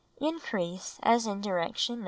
Increase as in direction No.